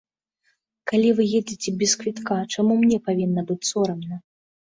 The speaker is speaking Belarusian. Калі вы едзеце без квітка, чаму мне павінна быць сорамна?